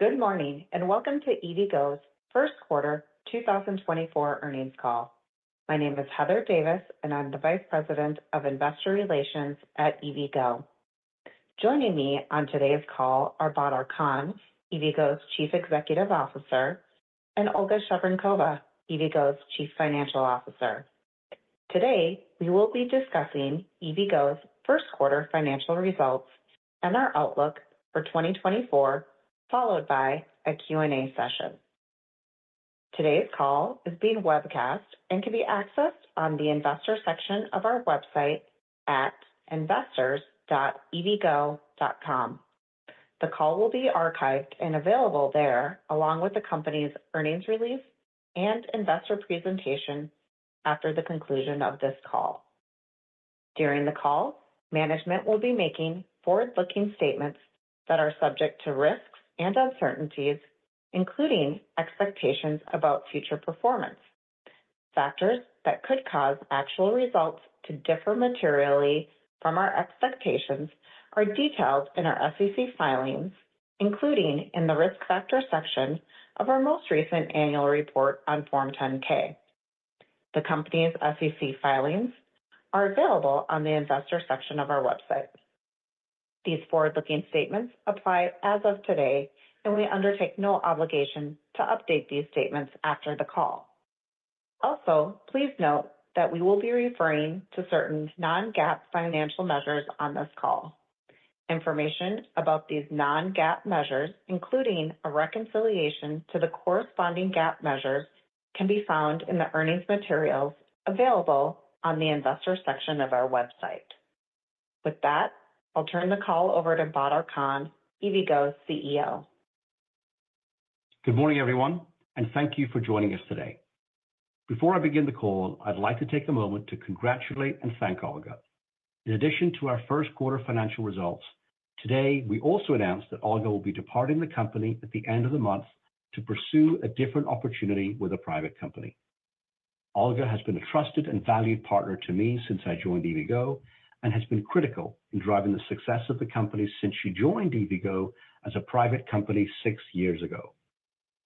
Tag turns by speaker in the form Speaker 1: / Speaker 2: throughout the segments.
Speaker 1: Good morning, and welcome to EVgo's Q1 2024 earnings call. My name is Heather Davis, and I'm the Vice President of Investor Relations at EVgo. Joining me on today's call are Badar Khan, EVgo's Chief Executive Officer, and Olga Shevorenkova, EVgo's Chief Financial Officer. Today, we will be discussing EVgo's Q1 financial results and our outlook for 2024, followed by a Q&A session. Today's call is being webcast and can be accessed on the investor section of our website at investors.evgo.com. The call will be archived and available there, along with the company's earnings release and investor presentation after the conclusion of this call. During the call, management will be making forward-looking statements that are subject to risks and uncertainties, including expectations about future performance. Factors that could cause actual results to differ materially from our expectations are detailed in our SEC filings, including in the Risk Factor section of our most recent annual report on Form 10-K. The company's SEC filings are available on the investor section of our website. These forward-looking statements apply as of today, and we undertake no obligation to update these statements after the call. Also, please note that we will be referring to certain non-GAAP financial measures on this call. Information about these non-GAAP measures, including a reconciliation to the corresponding GAAP measures, can be found in the earnings materials available on the investor section of our website. With that, I'll turn the call over to Badar Khan, EVgo's CEO.
Speaker 2: Good morning, everyone, and thank you for joining us today. Before I begin the call, I'd like to take a moment to congratulate and thank Olga. In addition to our Q1 financial results, today, we also announced that Olga will be departing the company at the end of the month to pursue a different opportunity with a private company. Olga has been a trusted and valued partner to me since I joined EVgo and has been critical in driving the success of the company since she joined EVgo as a private company six years ago.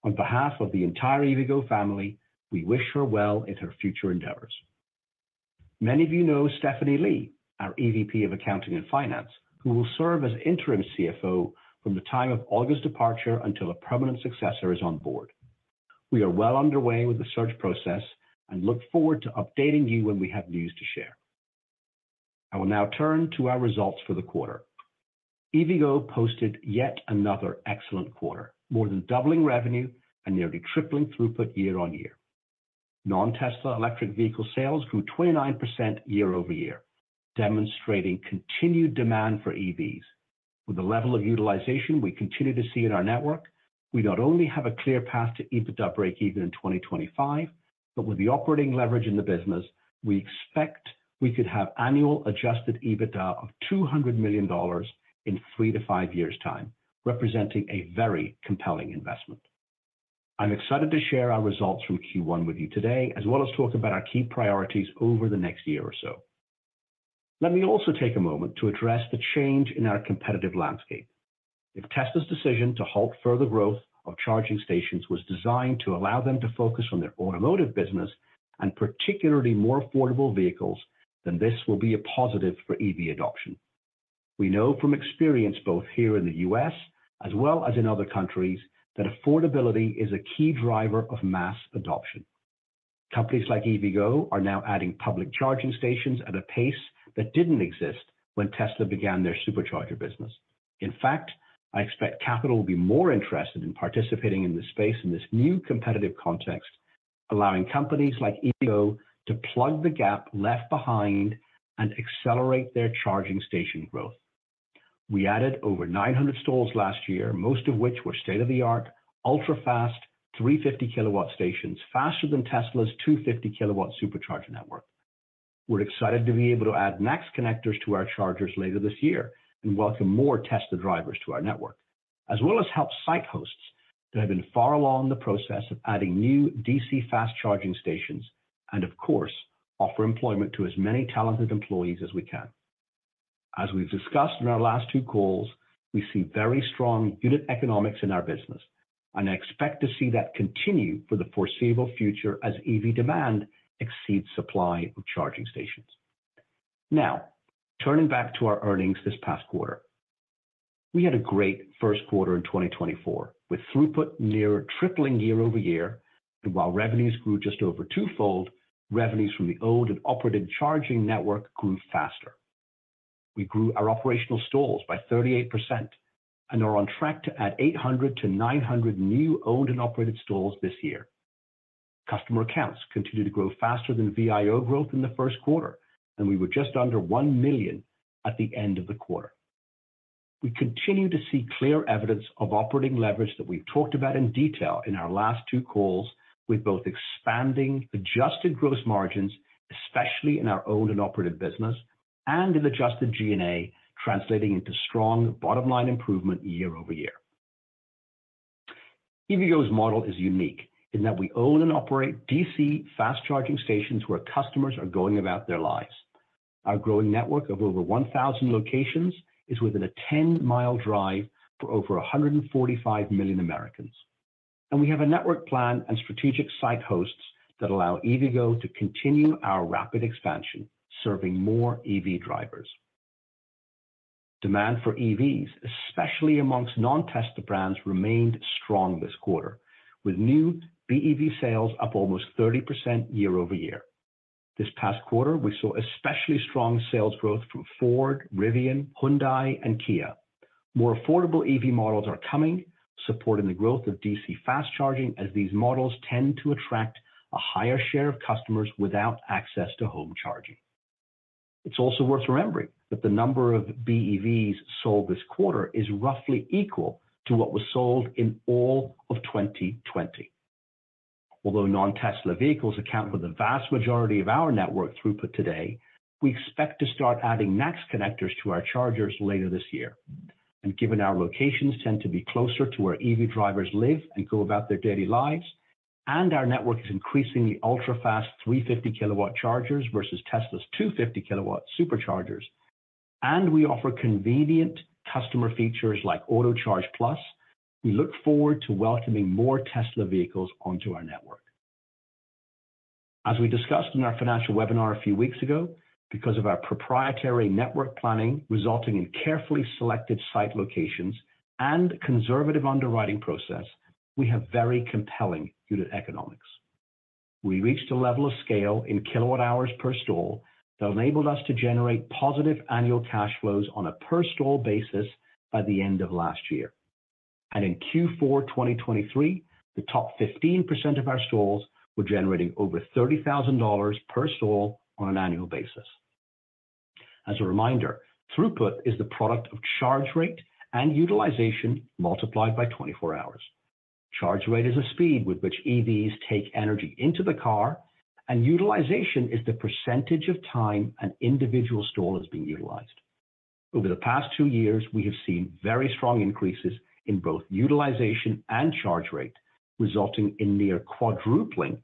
Speaker 2: On behalf of the entire EVgo family, we wish her well in her future endeavors. Many of you know Stephanie Lee, our EVP of Accounting and Finance, who will serve as Interim CFO from the time of Olga's departure until a permanent successor is on board. We are well underway with the search process and look forward to updating you when we have news to share. I will now turn to our results for the quarter. EVgo posted yet another excellent quarter, more than doubling revenue and nearly tripling throughput year-on-year. Non-Tesla electric vehicle sales grew 29% year-over-year, demonstrating continued demand for EVs. With the level of utilization we continue to see in our network, we not only have a clear path to EBITDA breakeven in 2025, but with the operating leverage in the business, we expect we could have annual adjusted EBITDA of $200 million in 3 to 5 years' time, representing a very compelling investment. I'm excited to share our results from Q1 with you today, as well as talk about our key priorities over the next year or so. Let me also take a moment to address the change in our competitive landscape. If Tesla's decision to halt further growth of charging stations was designed to allow them to focus on their automotive business, and particularly more affordable vehicles, then this will be a positive for EV adoption. We know from experience, both here in the U.S. as well as in other countries, that affordability is a key driver of mass adoption. Companies like EVgo are now adding public charging stations at a pace that didn't exist when Tesla began their Supercharger business. In fact, I expect capital will be more interested in participating in this space in this new competitive context, allowing companies like EVgo to plug the gap left behind and accelerate their charging station growth. We added over 900 stalls last year, most of which were state-of-the-art, ultra-fast, 350 kilowatt stations, faster than Tesla's 250 kilowatt Supercharger network. We're excited to be able to add NACS connectors to our chargers later this year and welcome more Tesla drivers to our network, as well as help site hosts that have been far along the process of adding new DC fast charging stations, and of course, offer employment to as many talented employees as we can. As we've discussed in our last two calls, we see very strong unit economics in our business, and I expect to see that continue for the foreseeable future as EV demand exceeds supply of charging stations. Now, turning back to our earnings this past quarter. We had a great Q1 in 2024, with throughput near tripling year-over-year, and while revenues grew just over twofold, revenues from the owned and operated charging network grew faster. We grew our operational stalls by 38% and are on track to add 800 to 900 new owned and operated stalls this year. Customer accounts continue to grow faster than VIO growth in the Q1, and we were just under 1 million at the end of the quarter. We continue to see clear evidence of operating leverage that we've talked about in detail in our last two calls, with both expanding adjusted gross margins, especially in our owned and operated business, and in adjusted G&A, translating into strong bottom-line improvement year-over-year.... EVgo's model is unique, in that we own and operate DC fast charging stations where customers are going about their lives. Our growing network of over 1,000 locations is within a 10-mile drive for over 145 million Americans. We have a network plan and strategic site hosts that allow EVgo to continue our rapid expansion, serving more EV drivers. Demand for EVs, especially among non-Tesla brands, remained strong this quarter, with new BEV sales up almost 30% year-over-year. This past quarter, we saw especially strong sales growth from Ford, Rivian, Hyundai, and Kia. More affordable EV models are coming, supporting the growth of DC fast charging, as these models tend to attract a higher share of customers without access to home charging. It's also worth remembering that the number of BEVs sold this quarter is roughly equal to what was sold in all of 2020. Although non-Tesla vehicles account for the vast majority of our network throughput today, we expect to start adding NACS connectors to our chargers later this year. Given our locations tend to be closer to where EV drivers live and go about their daily lives, and our network is increasingly ultra-fast 350 kilowatt chargers versus Tesla's 250 kilowatt Superchargers, and we offer convenient customer features like Autocharge+, we look forward to welcoming more Tesla vehicles onto our network. As we discussed in our financial webinar a few weeks ago, because of our proprietary network planning, resulting in carefully selected site locations and conservative underwriting process, we have very compelling unit economics. We reached a level of scale in kilowatt hours per stall that enabled us to generate positive annual cash flows on a per-stall basis by the end of last year. In Q4 2023, the top 15% of our stalls were generating over $30,000 per stall on an annual basis. As a reminder, throughput is the product of charge rate and utilization, multiplied by 24 hours. Charge rate is a speed with which EVs take energy into the car, and utilization is the percentage of time an individual stall is being utilized. Over the past 2 years, we have seen very strong increases in both utilization and charge rate, resulting in near quadrupling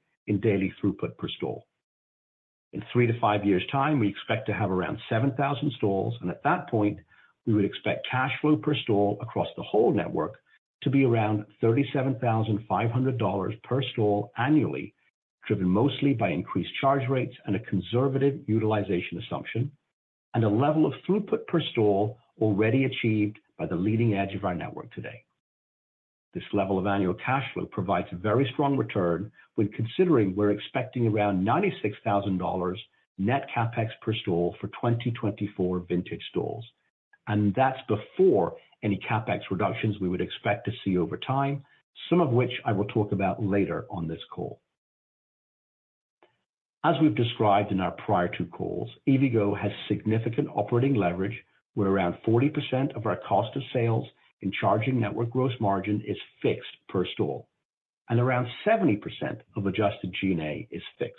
Speaker 2: in daily throughput per stall. In 3 to 5 years' time, we expect to have around 7,000 stalls, and at that point, we would expect cash flow per stall across the whole network to be around $37,500 per stall annually, driven mostly by increased charge rates and a conservative utilization assumption, and a level of throughput per stall already achieved by the leading edge of our network today. This level of annual cash flow provides a very strong return when considering we're expecting around $96,000 net CapEx per stall for 2024 vintage stalls. That's before any CapEx reductions we would expect to see over time, some of which I will talk about later on this call. As we've described in our prior two calls, EVgo has significant operating leverage, where around 40% of our cost of sales and charging network gross margin is fixed per stall, and around 70% of adjusted G&A is fixed.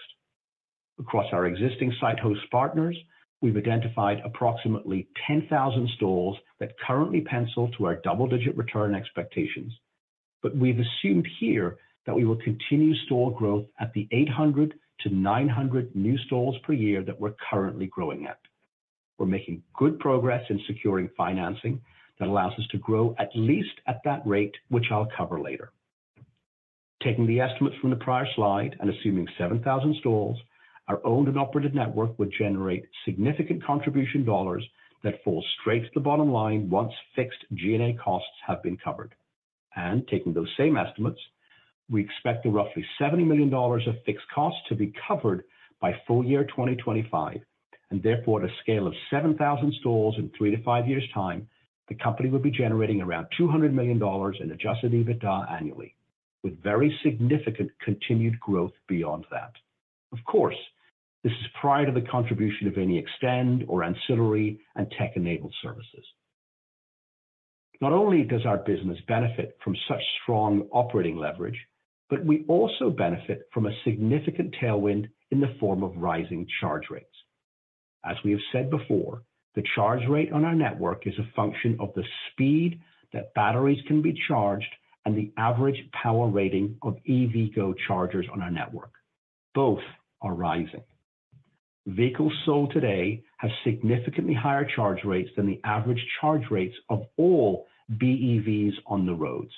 Speaker 2: Across our existing site host partners, we've identified approximately 10,000 stalls that currently pencil to our double-digit return expectations, but we've assumed here that we will continue stall growth at the 800-900 new stalls per year that we're currently growing at. We're making good progress in securing financing that allows us to grow at least at that rate, which I'll cover later. Taking the estimates from the prior slide and assuming 7,000 stalls, our owned and operated network would generate significant contribution dollars that fall straight to the bottom line once fixed G&A costs have been covered. Taking those same estimates, we expect the roughly $70 million of fixed costs to be covered by full year 2025, and therefore, at a scale of 7,000 stalls in 3 to 5 years' time, the company will be generating around $200 million in adjusted EBITDA annually, with very significant continued growth beyond that. Of course, this is prior to the contribution of any eXtend or ancillary and tech-enabled services. Not only does our business benefit from such strong operating leverage, but we also benefit from a significant tailwind in the form of rising charge rates. As we have said before, the charge rate on our network is a function of the speed that batteries can be charged and the average power rating of EVgo chargers on our network. Both are rising. Vehicles sold today have significantly higher charge rates than the average charge rates of all BEVs on the roads,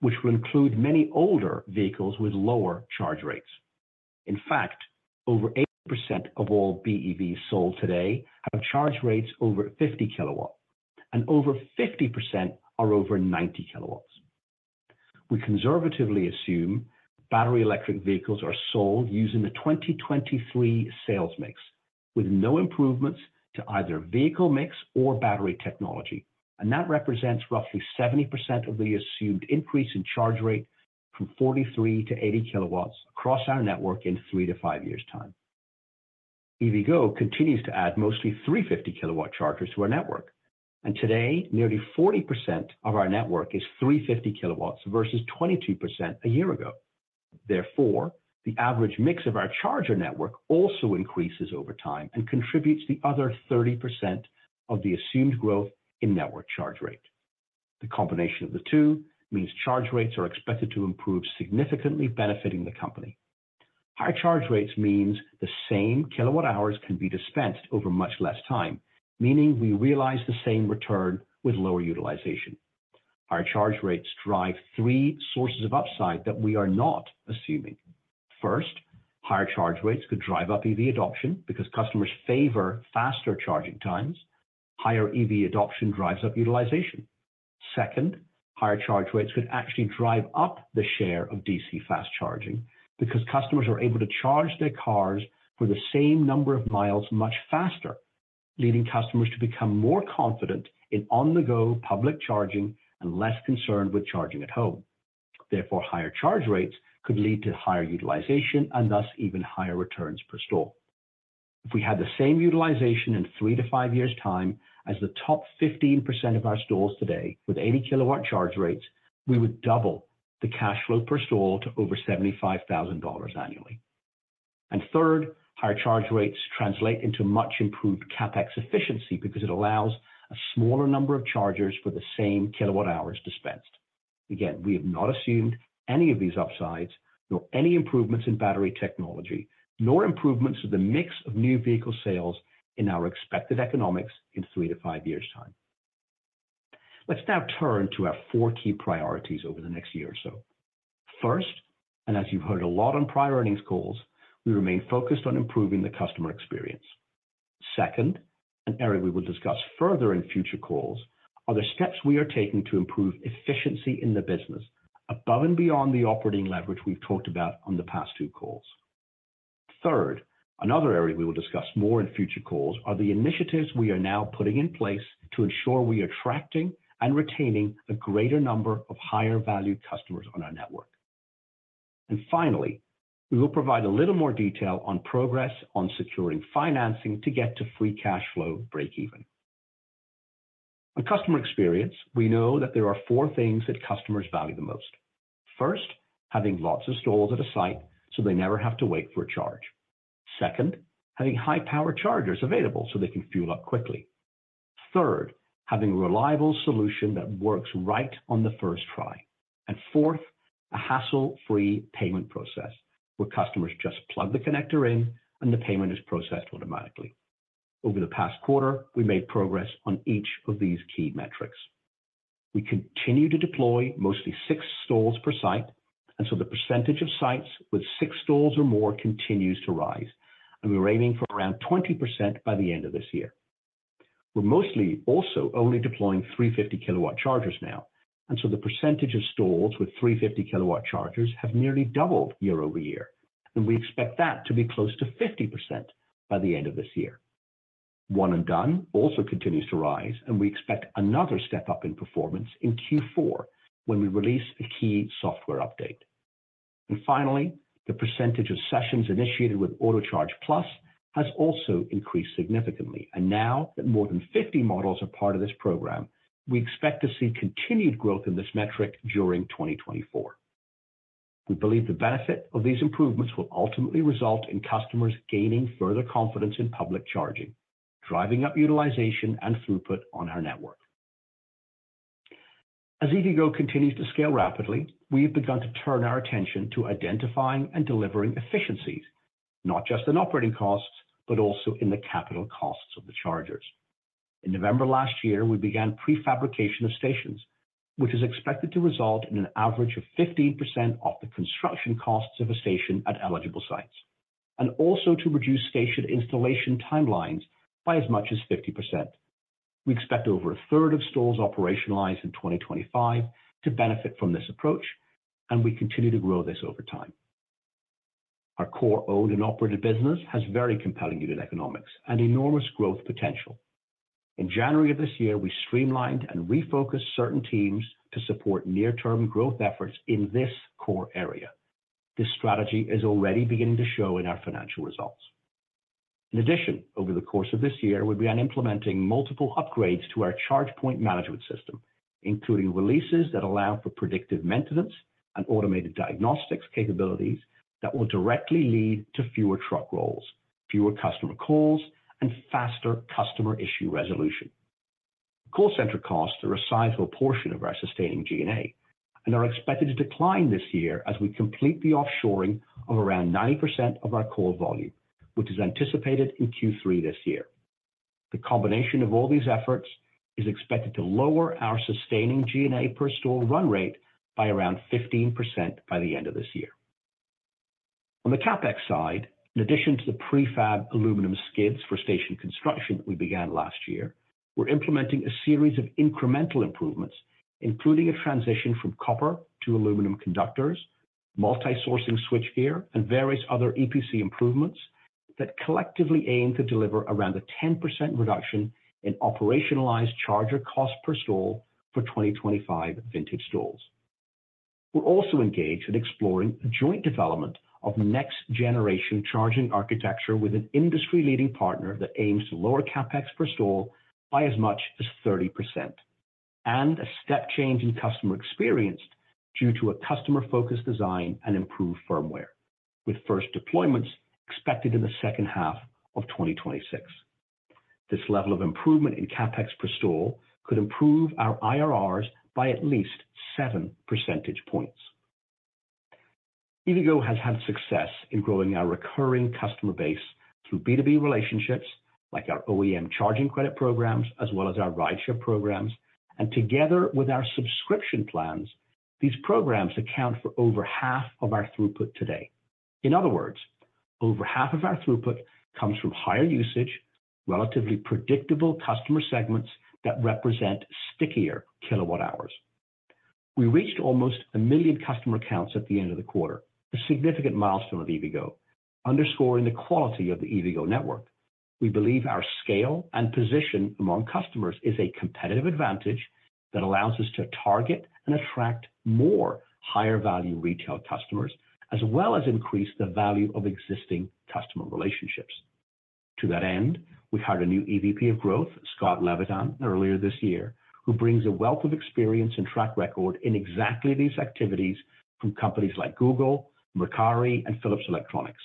Speaker 2: which will include many older vehicles with lower charge rates. In fact, over 80% of all BEVs sold today have charge rates over 50 kilowatts, and over 50% are over 90 kilowatts. We conservatively assume battery electric vehicles are sold using the 2023 sales mix, with no improvements to either vehicle mix or battery technology, and that represents roughly 70% of the assumed increase in charge rate from 43 to 80 kilowatts across our network in 3 to 5 years' time. EVgo continues to add mostly 350 kilowatt chargers to our network, and today, nearly 40% of our network is 350 kilowatts versus 22% a year ago. Therefore, the average mix of our charger network also increases over time and contributes the other 30% of the assumed growth in network charge rate. The combination of the two means charge rates are expected to improve, significantly benefiting the company. Higher charge rates means the same kilowatt hours can be dispensed over much less time, meaning we realize the same return with lower utilization. Higher charge rates drive three sources of upside that we are not assuming. First, higher charge rates could drive up EV adoption because customers favor faster charging times. Higher EV adoption drives up utilization. Second, higher charge rates could actually drive up the share of DC fast charging, because customers are able to charge their cars for the same number of miles much faster, leading customers to become more confident in on-the-go public charging and less concerned with charging at home. Therefore, higher charge rates could lead to higher utilization and thus even higher returns per stall. If we had the same utilization in 3 to 5 years' time as the top 15% of our stalls today, with 80-kilowatt charge rates, we would double the cash flow per stall to over $75,000 annually. And third, higher charge rates translate into much improved CapEx efficiency because it allows a smaller number of chargers for the same kilowatt hours dispensed. Again, we have not assumed any of these upsides, nor any improvements in battery technology, nor improvements to the mix of new vehicle sales in our expected economics in 3 to 5 years' time. Let's now turn to our four key priorities over the next year or so. First, and as you've heard a lot on prior earnings calls, we remain focused on improving the customer experience. Second, an area we will discuss further in future calls, are the steps we are taking to improve efficiency in the business, above and beyond the operating leverage we've talked about on the past two calls. Third, another area we will discuss more in future calls, are the initiatives we are now putting in place to ensure we are attracting and retaining a greater number of higher-value customers on our network. And finally, we will provide a little more detail on progress on securing financing to get to free cash flow breakeven. On customer experience, we know that there are four things that customers value the most. First, having lots of stalls at a site, so they never have to wait for a charge. Second, having high-power chargers available so they can fuel up quickly. Third, having a reliable solution that works right on the first try. And fourth, a hassle-free payment process, where customers just plug the connector in and the payment is processed automatically. Over the past quarter, we made progress on each of these key metrics. We continue to deploy mostly six stalls per site, and so the percentage of sites with six stalls or more continues to rise, and we're aiming for around 20% by the end of this year. We're mostly also only deploying 350 kilowatt chargers now, and so the percentage of stalls with 350 kilowatt chargers have nearly doubled year-over-year, and we expect that to be close to 50% by the end of this year. One & Done also continues to rise, and we expect another step up in performance in Q4 when we release a key software update. And finally, the percentage of sessions initiated with Autocharge+ has also increased significantly, and now that more than 50 models are part of this program, we expect to see continued growth in this metric during 2024. We believe the benefit of these improvements will ultimately result in customers gaining further confidence in public charging, driving up utilization and throughput on our network. As EVgo continues to scale rapidly, we have begun to turn our attention to identifying and delivering efficiencies, not just in operating costs, but also in the capital costs of the chargers. In November last year, we began prefabrication of stations, which is expected to result in an average of 15% off the construction costs of a station at eligible sites, and also to reduce station installation timelines by as much as 50%. We expect over a third of stalls operationalized in 2025 to benefit from this approach, and we continue to grow this over time. Our core owned and operated business has very compelling unit economics and enormous growth potential. In January of this year, we streamlined and refocused certain teams to support near-term growth efforts in this core area. This strategy is already beginning to show in our financial results. In addition, over the course of this year, we began implementing multiple upgrades to our Charge Point Management System, including releases that allow for predictive maintenance and automated diagnostics capabilities that will directly lead to fewer truck rolls, fewer customer calls, and faster customer issue resolution. Call center costs are a sizable portion of our sustaining G&A and are expected to decline this year as we complete the offshoring of around 90% of our call volume, which is anticipated in Q3 this year. The combination of all these efforts is expected to lower our sustaining G&A per stall run rate by around 15% by the end of this year. On the CapEx side, in addition to the prefab aluminum skids for station construction we began last year, we're implementing a series of incremental improvements, including a transition from copper to aluminum conductors, multi-sourcing switchgear, and various other EPC improvements that collectively aim to deliver around a 10% reduction in operationalized charger costs per stall for 2025 vintage stalls. We're also engaged in exploring a joint development of next-generation charging architecture with an industry-leading partner that aims to lower CapEx per stall by as much as 30% and a step change in customer experience due to a customer-focused design and improved firmware, with first deployments expected in the second half of 2026. This level of improvement in CapEx per stall could improve our IRRs by at least 7 percentage points. EVgo has had success in growing our recurring customer base through B2B relationships, like our OEM charging credit programs, as well as our rideshare programs. And together with our subscription plans, these programs account for over half of our throughput today. In other words, over half of our throughput comes from higher usage, relatively predictable customer segments that represent stickier kilowatt hours. We reached almost one million customer accounts at the end of the quarter, a significant milestone of EVgo, underscoring the quality of the EVgo network. We believe our scale and position among customers is a competitive advantage, that allows us to target and attract more higher value retail customers, as well as increase the value of existing customer relationships. To that end, we hired a new EVP of Growth, Scott Levitan, earlier this year, who brings a wealth of experience and track record in exactly these activities from companies like Google, Mercari, and Philips Electronics.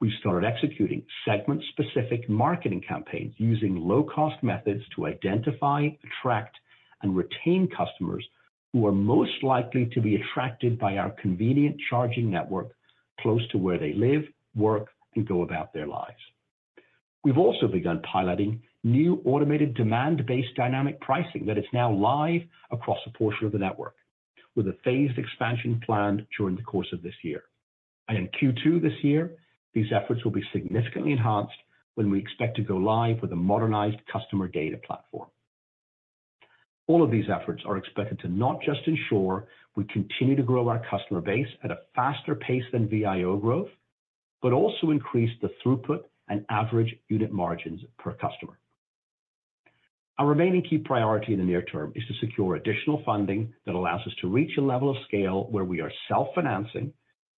Speaker 2: We started executing segment-specific marketing campaigns using low-cost methods to identify, attract, and retain customers who are most likely to be attracted by our convenient charging network close to where they live, work, and go about their lives. We've also begun piloting new automated demand-based dynamic pricing that is now live across a portion of the network, with a phased expansion plan during the course of this year. In Q2 this year, these efforts will be significantly enhanced when we expect to go live with a modernized customer data platform. All of these efforts are expected to not just ensure we continue to grow our customer base at a faster pace than VIO growth, but also increase the throughput and average unit margins per customer. Our remaining key priority in the near term is to secure additional funding that allows us to reach a level of scale where we are self-financing,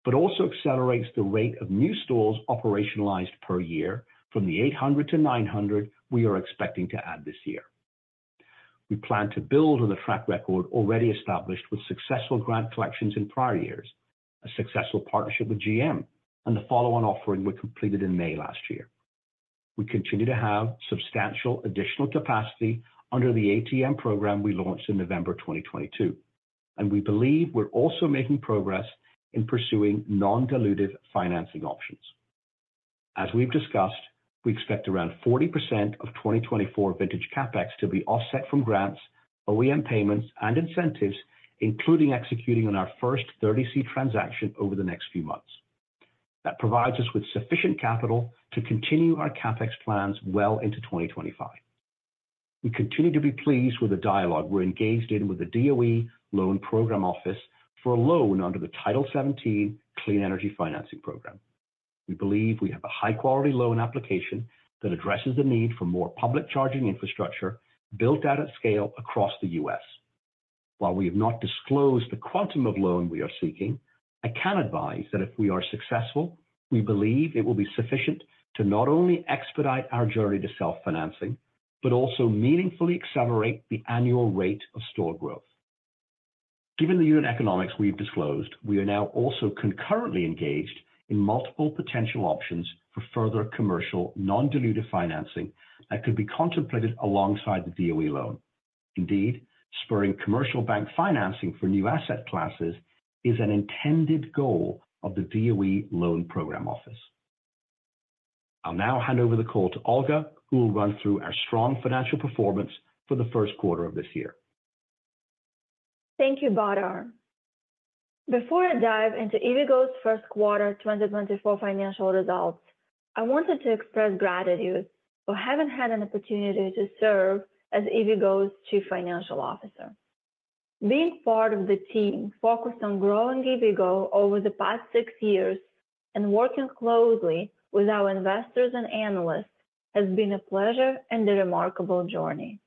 Speaker 2: but also accelerates the rate of new stalls operationalized per year from the 800 to 900 we are expecting to add this year. We plan to build on the track record already established with successful grant collections in prior years, a successful partnership with GM, and the follow-on offering we completed in May last year. We continue to have substantial additional capacity under the ATM program we launched in November 2022, and we believe we're also making progress in pursuing non-dilutive financing options. As we've discussed, we expect around 40% of 2024 vintage CapEx to be offset from grants, OEM payments, and incentives, including executing on our first 30C transaction over the next few months. That provides us with sufficient capital to continue our CapEx plans well into 2025. We continue to be pleased with the dialogue we're engaged in with the DOE Loan Program Office for a loan under the Title 17 Clean Energy Financing Program. We believe we have a high-quality loan application that addresses the need for more public charging infrastructure built out at scale across the U.S. While we have not disclosed the quantum of loan we are seeking, I can advise that if we are successful, we believe it will be sufficient to not only expedite our journey to self-financing, but also meaningfully accelerate the annual rate of store growth. Given the unit economics we've disclosed, we are now also concurrently engaged in multiple potential options for further commercial, non-dilutive financing that could be contemplated alongside the DOE loan. Indeed, spurring commercial bank financing for new asset classes is an intended goal of the DOE Loan Program Office. I'll now hand over the call to Olga, who will run through our strong financial performance for the Q1 of this year.
Speaker 3: Thank you, Badar. Before I dive into EVgo's Q1 2024 financial results, I wanted to express gratitude for having had an opportunity to serve as EVgo's Chief Financial Officer. Being part of the team focused on growing EVgo over the past six years and working closely with our investors and analysts has been a pleasure and a remarkable journey.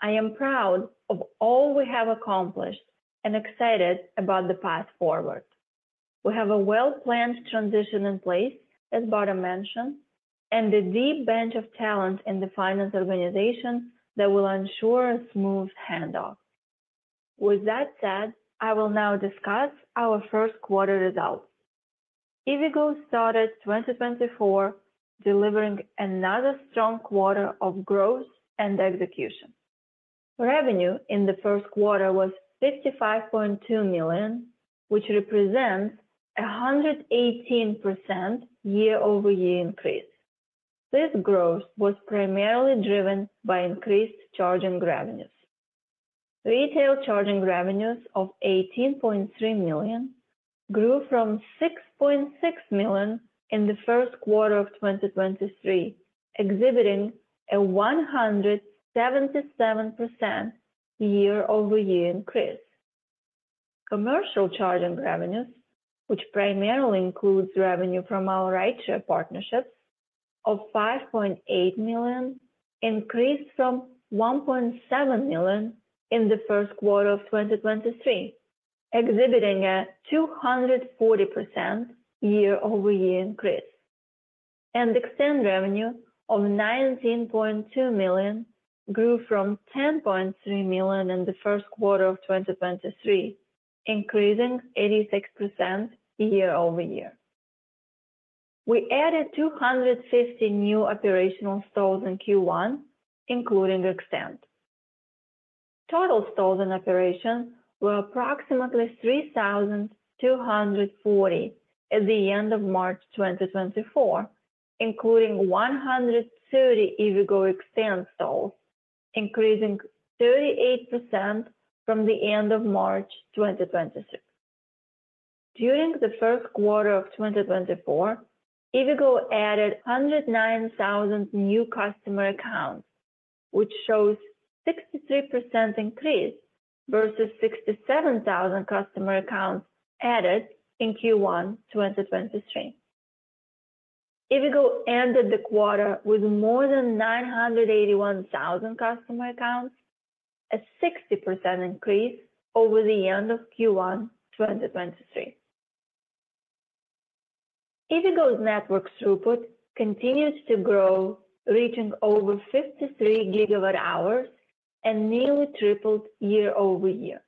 Speaker 3: I am proud of all we have accomplished and excited about the path forward. We have a well-planned transition in place, as Badar mentioned, and a deep bench of talent in the finance organization that will ensure a smooth handoff. With that said, I will now discuss our Q1 results. EVgo started 2024, delivering another strong quarter of growth and execution. Revenue in the Q1 was $55.2 million, which represents a 118% year-over-year increase. This growth was primarily driven by increased charging revenues. Retail charging revenues of $18.3 million grew from $6.6 million in the Q1 of 2023, exhibiting a 177% year-over-year increase. Commercial charging revenues, which primarily includes revenue from our rideshare partnerships of $5.8 million, increased from $1.7 million in the Q1 of 2023, exhibiting a 240% year-over-year increase and eXtend revenue of $19.2 million grew from $10.3 million in the Q1 of 2023, increasing 86% year-over-year. We added 250 new operational stalls in Q1, including eXtend. Total stalls in operation were approximately 3,240 at the end of March 2024, including 130 EVgo eXtend stalls, increasing 38% from the end of March 2023. During the Q1 of 2024, EVgo added 109,000 new customer accounts, which shows 63% increase versus 67,000 customer accounts added in Q1 2023. EVgo ended the quarter with more than 981,000 customer accounts, a 60% increase over the end of Q1 2023. EVgo's network throughput continues to grow, reaching over 53 GWh and nearly tripled year-over-year,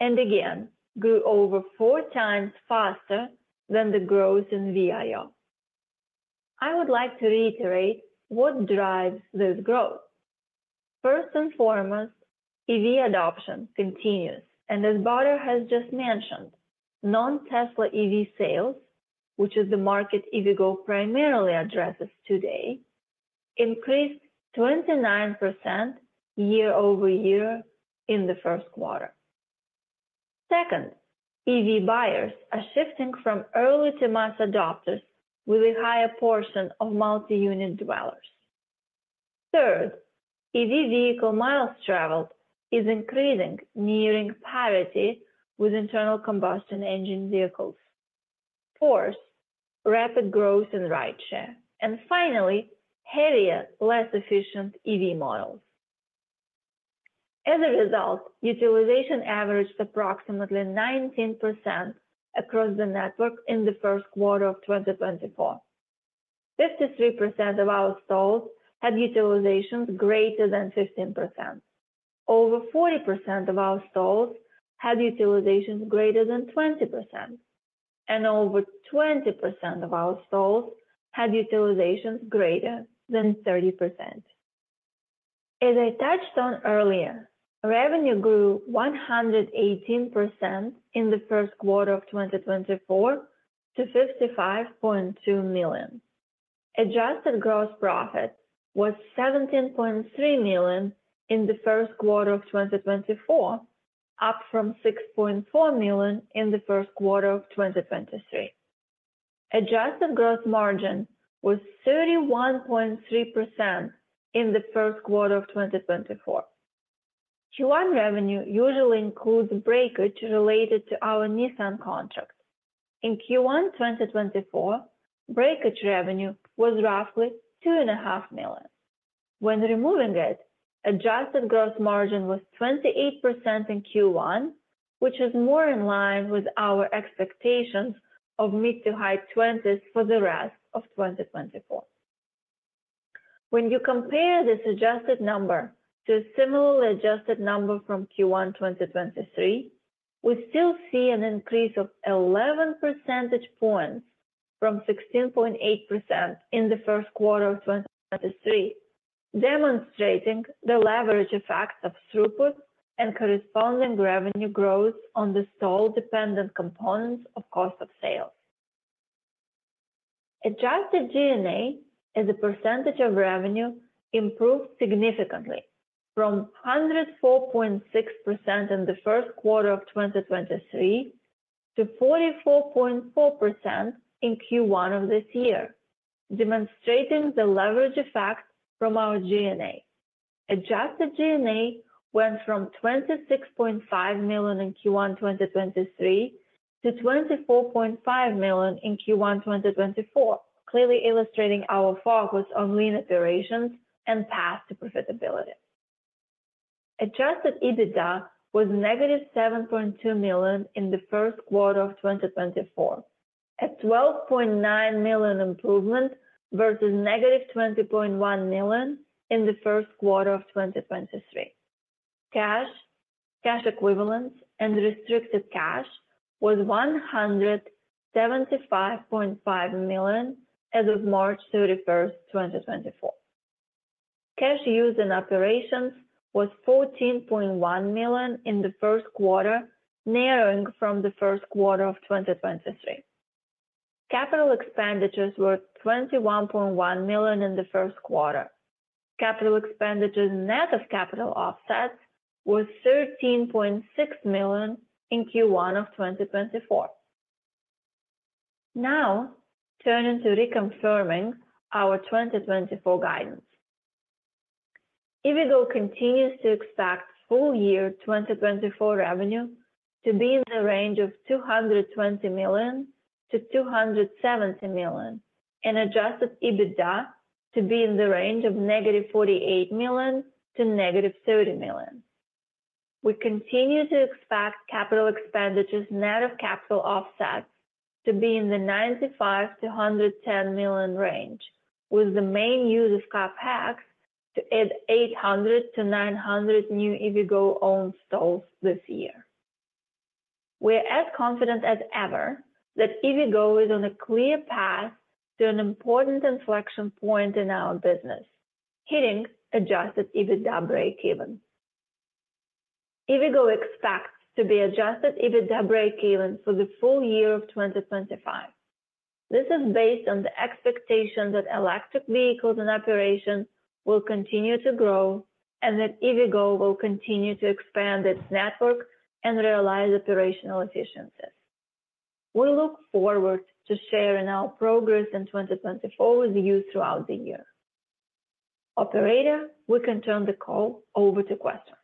Speaker 3: and again, grew over four times faster than the growth in VIO. I would like to reiterate what drives this growth. First and foremost, EV adoption continues, and as Badar has just mentioned, non-Tesla EV sales, which is the market EVgo primarily addresses today, increased 29% year-over-year in the Q1. Second, EV buyers are shifting from early to mass adopters with a higher portion of multi-unit dwellers. Third, EV vehicle miles traveled is increasing, nearing parity with internal combustion engine vehicles. Fourth, rapid growth in rideshare, and finally, heavier, less efficient EV models. As a result, utilization averaged approximately 19% across the network in the Q1 of 2024. 53% of our stalls had utilizations greater than 15%. Over 40% of our stalls had utilizations greater than 20%, and over 20% of our stalls had utilizations greater than 30%. As I touched on earlier, revenue grew 118% in the Q1 of 2024 to $55.2 million. Adjusted gross profit was $17.3 million in the Q1 of 2024, up from $6.4 million in the Q1 of 2023. Adjusted gross margin was 31.3% in the Q1 of 2024. Q1 revenue usually includes breakage related to our Nissan contracts. In Q1 2024, breakage revenue was roughly $2.5 million. When removing it, adjusted gross margin was 28% in Q1, which is more in line with our expectations of mid- to high-20s% for the rest of 2024. When you compare this adjusted number to a similar adjusted number from Q1 2023, we still see an increase of 11 percentage points from 16.8% in the Q1 of 2023, demonstrating the leverage effects of throughput and corresponding revenue growth on the stall-dependent components of cost of sales. Adjusted G&A, as a percentage of revenue, improved significantly from 104.6% in the Q1 of 2023 to 44.4% in Q1 of this year, demonstrating the leverage effect from our G&A. Adjusted G&A went from $26.5 million in Q1 2023 to $24.5 million in Q1 2024, clearly illustrating our focus on lean operations and path to profitability. Adjusted EBITDA was -$7.2 million in the Q1 of 2024, a $12.9 million improvement versus -$20.1 million in the Q1 of 2023. Cash, cash equivalents, and restricted cash was $175.5 million as of March 31, 2024. Cash used in operations was $14.1 million in the Q1, narrowing from the Q1 of 2023. Capital expenditures were $21.1 million in the Q1. Capital expenditures net of capital offsets was $13.6 million in Q1 of 2024. Now, turning to reconfirming our 2024 guidance. EVgo continues to expect full year 2024 revenue to be in the range of $220 million to 270 million, and adjusted EBITDA to be in the range of -$48 million to 30 million. We continue to expect capital expenditures net of capital offsets to be in the $95 million to 110 million range, with the main use of CapEx to add 800 to 900 new EVgo owned stalls this year. We're as confident as ever that EVgo is on a clear path to an important inflection point in our business, hitting adjusted EBITDA breakeven. EVgo expects to be adjusted EBITDA breakeven for the full year of 2025. This is based on the expectation that electric vehicles and operations will continue to grow, and that EVgo will continue to expand its network and realize operational efficiencies. We look forward to sharing our progress in 2024 with you throughout the year. Operator, we can turn the call over to questions.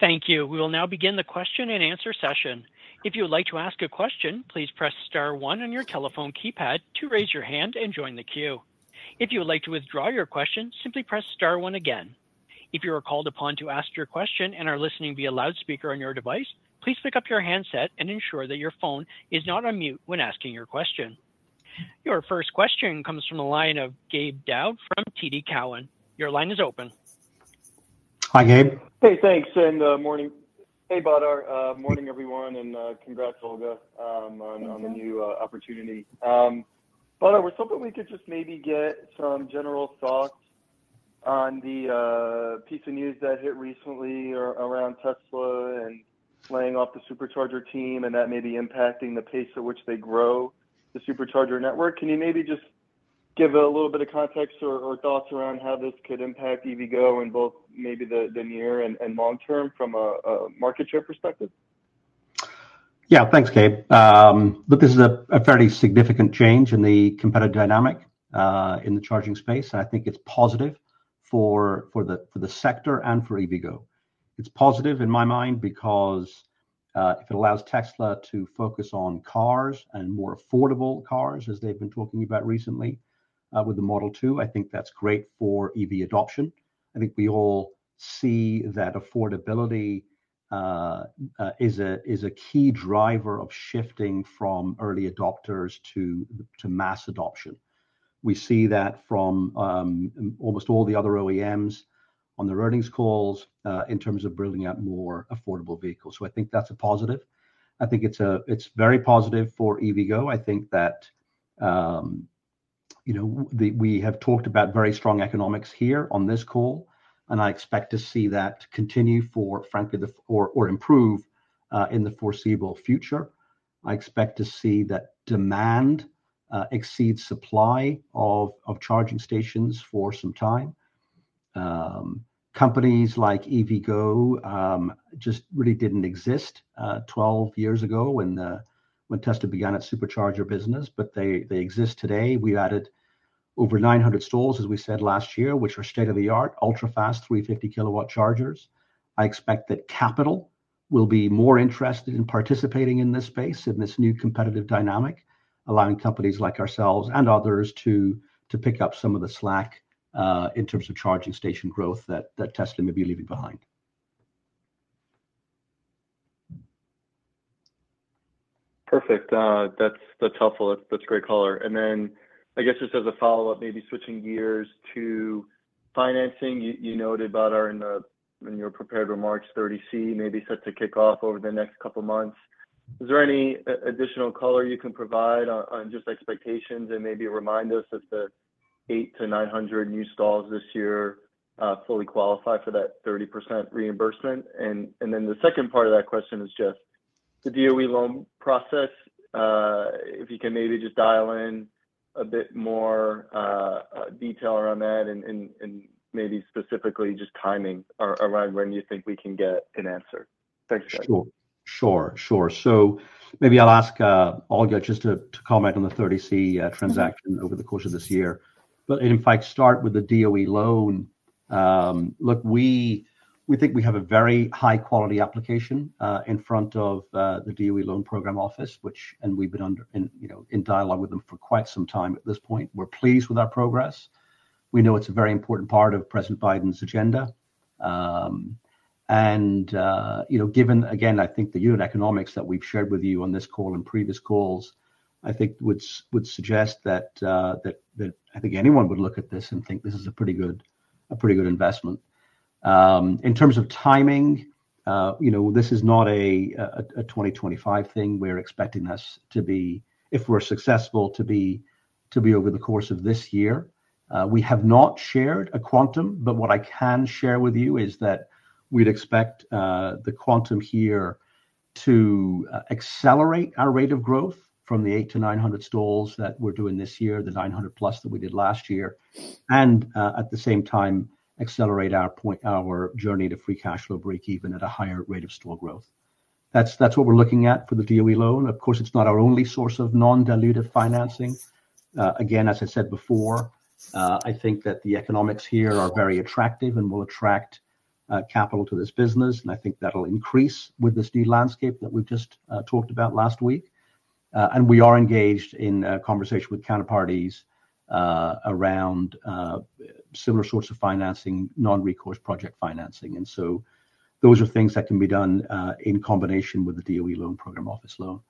Speaker 4: Thank you. We will now begin the Q&A session. If you would like to ask a question, please press star one on your telephone keypad to raise your hand and join the queue. If you would like to withdraw your question, simply press star one again. If you are called upon to ask your question and are listening via loudspeaker on your device, please pick up your handset and ensure that your phone is not on mute when asking your question. Your first question comes from the line of Gabe Daoud from TD Cowen. Your line is open.
Speaker 2: Hi, Gabe.
Speaker 5: Hey, thanks, and morning. Hey, Badar. Morning, everyone, and congrats, Olga, on
Speaker 3: Thank you
Speaker 5: the new opportunity. Badar, I was hoping we could just maybe get some general thoughts on the piece of news that hit recently around Tesla and laying off the Supercharger team, and that may be impacting the pace at which they grow the Supercharger network. Can you maybe just give a little bit of context or thoughts around how this could impact EVgo in both maybe the near and long term from a market share perspective?
Speaker 2: Yeah, thanks, Gabe. Look, this is a fairly significant change in the competitive dynamic in the charging space. I think it's positive for the sector and for EVgo. It's positive in my mind because if it allows Tesla to focus on cars and more affordable cars, as they've been talking about recently with the Model 2, I think that's great for EV adoption. I think we all see that affordability is a key driver of shifting from early adopters to mass adoption. We see that from almost all the other OEMs on their earnings calls in terms of building out more affordable vehicles. So I think that's a positive. I think it's it's very positive for EVgo. I think that, you know, we have talked about very strong economics here on this call, and I expect to see that continue for frankly, or improve, in the foreseeable future. I expect to see that demand exceed supply of charging stations for some time. Companies like EVgo just really didn't exist, 12 years ago when Tesla began its Supercharger business, but they exist today. We've added over 900 stalls, as we said last year, which are state-of-the-art, ultra-fast, 350 kilowatt chargers. I expect that capital will be more interested in participating in this space, in this new competitive dynamic, allowing companies like ourselves and others to pick up some of the slack, in terms of charging station growth that Tesla may be leaving behind.
Speaker 5: Perfect. That's, that's helpful. That's great color. And then I guess just as a follow-up, maybe switching gears to financing. You, you noted, Badar, in the, in your prepared remarks, 30C may be set to kick off over the next couple of months. Is there any additional color you can provide on, on just expectations? And maybe remind us that the 800 to 900 new stalls this year fully qualify for that 30% reimbursement. And, and then the second part of that question is just the DOE loan process. If you can maybe just dial in a bit more detail around that and, and, and maybe specifically just timing around when you think we can get an answer. Thanks, Gabe.
Speaker 2: Sure. Sure, sure. So maybe I'll ask, Olga, just to comment on the 30C transaction
Speaker 3: Mm-hmm
Speaker 2: over the course of this year. But in fact, start with the DOE loan. Look, we, we think we have a very high-quality application in front of the DOE Loan Program Office, which and we've been under, in, you know, in dialogue with them for quite some time at this point. We're pleased with our progress. We know it's a very important part of President Biden's agenda. And, you know, given, again, I think the unit economics that we've shared with you on this call and previous calls, I think would, would suggest that, that, that I think anyone would look at this and think this is a pretty good, a pretty good investment. In terms of timing, you know, this is not a 2025 thing. We're expecting this to be, if we're successful, to be, to be over the course of this year. We have not shared a quantum, but what I can share with you is that we'd expect, the quantum here to accelerate our rate of growth from the 800 to 900 stalls that we're doing this year, the 900+ that we did last year, and, at the same time, accelerate our point, our journey to free cash flow breakeven at a higher rate of stall growth. That's, that's what we're looking at for the DOE loan. Of course, it's not our only source of non-dilutive financing. Again, as I said before, I think that the economics here are very attractive and will attract capital to this business, and I think that'll increase with this new landscape that we've just talked about last week. And we are engaged in a conversation with counterparties around similar sorts of financing, non-recourse project financing. So those are things that can be done in combination with the DOE Loan Program Office loan.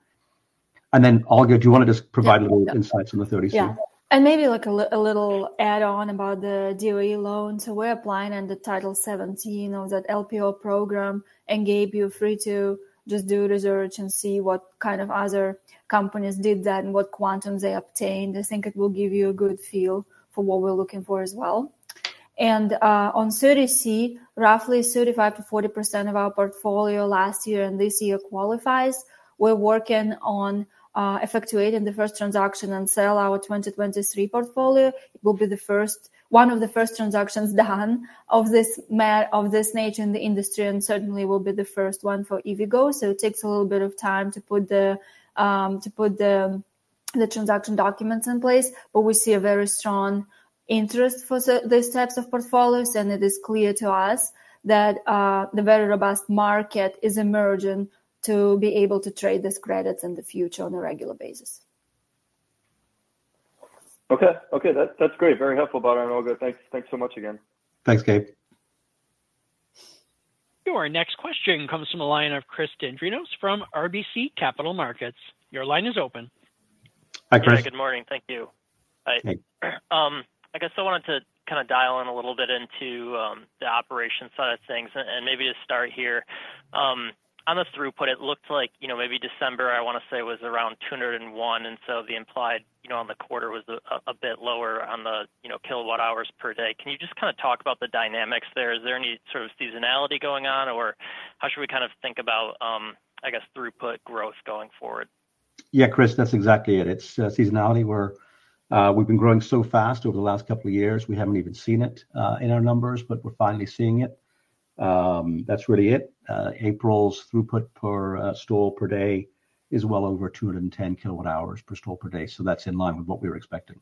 Speaker 2: And then, Olga, do you want to just provide-
Speaker 3: Yeah.
Speaker 2: A little insights on the 30C?
Speaker 3: Yeah. And maybe like a little add on about the DOE loan. So we're applying under Title 17 of that LPO program, and, Gabe, you're free to just do research and see what kind of other companies did that and what quantum they obtained. I think it will give you a good feel for what we're looking for as well. And on 30C, roughly 35% to 40% of our portfolio last year and this year qualifies. We're working on effectuating the first transaction and sell our 2023 portfolio. It will be one of the first transactions done of this nature in the industry, and certainly will be the first one for EVgo. So it takes a little bit of time to put the transaction documents in place, but we see a very strong interest for these types of portfolios, and it is clear to us that the very robust market is emerging to be able to trade these credits in the future on a regular basis.
Speaker 5: Okay. Okay, that's, that's great. Very helpful, Badar and Olga. Thanks, thanks so much again.
Speaker 2: Thanks, Gabe.
Speaker 4: Your next question comes from the line of Chris Dendrinos from RBC Capital Markets. Your line is open.
Speaker 2: Hi, Chris.
Speaker 6: Good morning. Thank you. Hi.
Speaker 2: Hi.
Speaker 6: I guess I wanted to kind of dial in a little bit into the operation side of things, and maybe just start here. On the throughput, it looked like, you know, maybe December, I want to say, was around 201, and so the implied, you know, on the quarter was a bit lower on the, you know, kilowatt hours per day. Can you just kind of talk about the dynamics there? Is there any sort of seasonality going on, or how should we kind of think about, I guess, throughput growth going forward?
Speaker 2: Yeah, Chris, that's exactly it. It's seasonality, where we've been growing so fast over the last couple of years, we haven't even seen it in our numbers, but we're finally seeing it. That's really it. April's throughput per stall per day is well over 210 kWh per stall per day, so that's in line with what we were expecting.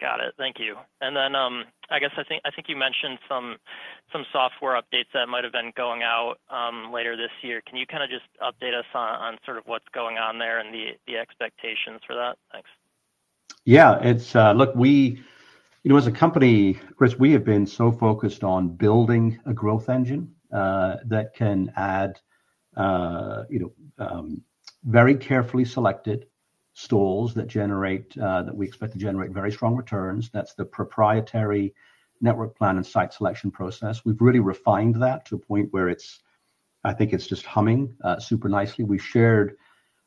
Speaker 6: Got it. Thank you. And then, I guess, I think you mentioned some software updates that might have been going out later this year. Can you kind of just update us on sort of what's going on there and the expectations for that? Thanks.
Speaker 2: Yeah, it's, look, we, you know, as a company, Chris, we have been so focused on building a growth engine that can add, you know, very carefully selected stalls that generate that we expect to generate very strong returns. That's the proprietary network plan and site selection process. We've really refined that to a point where it's, I think, just humming super nicely. We shared,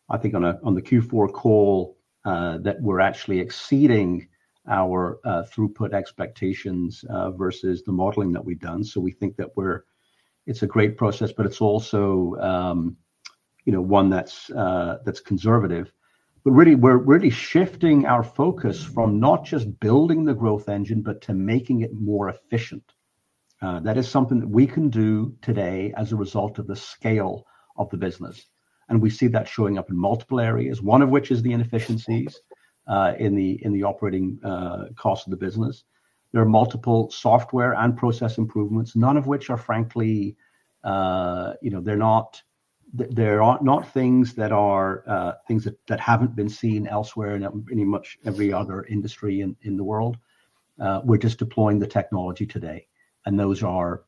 Speaker 2: I think, on the Q4 call that we're actually exceeding our throughput expectations versus the modeling that we've done. So we think that we're, it's a great process, but it's also, you know, one that's conservative. But really, we're really shifting our focus from not just building the growth engine, but to making it more efficient. That is something that we can do today as a result of the scale of the business, and we see that showing up in multiple areas, one of which is the inefficiencies in the operating cost of the business. There are multiple software and process improvements, none of which are frankly, you know, they're not things that haven't been seen elsewhere in pretty much every other industry in the world. We're just deploying the technology today, and those are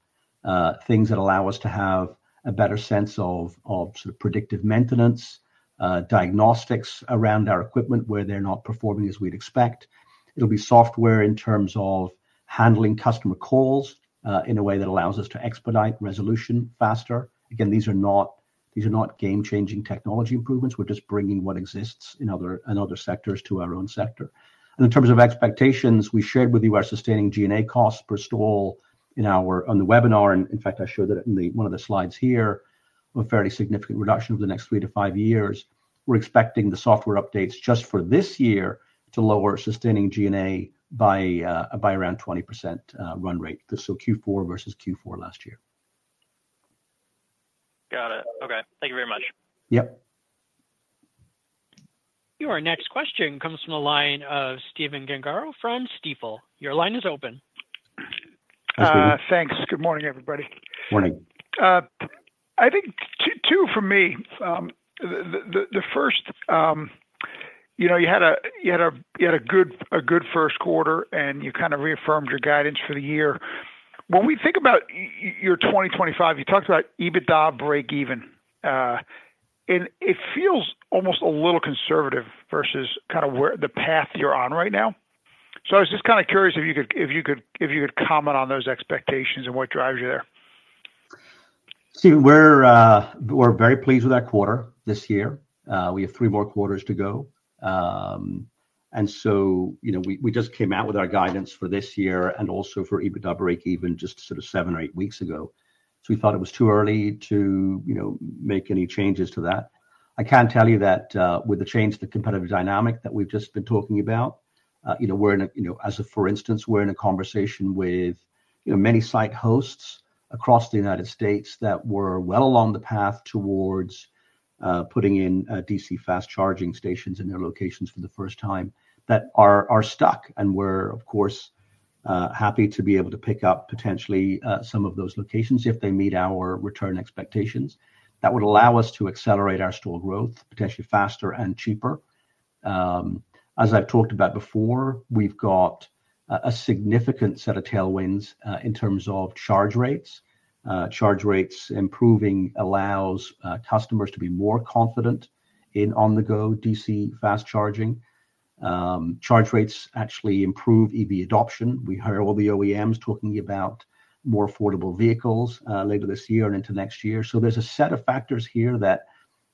Speaker 2: things that allow us to have a better sense of sort of predictive maintenance, diagnostics around our equipment, where they're not performing as we'd expect. It'll be software in terms of handling customer calls in a way that allows us to expedite resolution faster. Again, these are not, these are not game-changing technology improvements. We're just bringing what exists in other- in other sectors to our own sector. And in terms of expectations, we shared with you our sustaining G&A costs per stall in our, on the webinar. And in fact, I showed that in one of the slides here, a fairly significant reduction over the next 3 to 5 years. We're expecting the software updates just for this year to lower sustaining G&A by around 20%, run rate, so Q4 versus Q4 last year.
Speaker 6: Got it. Okay. Thank you very much.
Speaker 2: Yep.
Speaker 4: Your next question comes from the line of Stephen Gengaro from Stifel. Your line is open.
Speaker 2: Hi, Stephen.
Speaker 7: Thanks. Good morning, everybody.
Speaker 2: Morning.
Speaker 7: I think two, two from me. The first, you know, you had a good Q1, and you kind of reaffirmed your guidance for the year. When we think about your 2025, you talked about EBITDA breakeven, and it feels almost a little conservative versus kind of where the path you're on right now. So I was just kind of curious if you could comment on those expectations and what drives you there.
Speaker 2: Steve, we're very pleased with our quarter this year. We have three more quarters to go. So, you know, we just came out with our guidance for this year and also for EBITDA breakeven, just sort of seven or eight weeks ago. So we thought it was too early to, you know, make any changes to that. I can tell you that, with the change in the competitive dynamic that we've just been talking about, you know, we're in a, you know, as a for instance, we're in a conversation with, you know, many site hosts across the United States that were well along the path towards, putting in, DC fast charging stations in their locations for the first time, that are stuck and we're, of course Happy to be able to pick up potentially some of those locations if they meet our return expectations. That would allow us to accelerate our store growth, potentially faster and cheaper. As I've talked about before, we've got a significant set of tailwinds in terms of charge rates. Charge rates improving allows customers to be more confident in on-the-go DC fast charging. Charge rates actually improve EV adoption. We hear all the OEMs talking about more affordable vehicles later this year and into next year. So there's a set of factors here that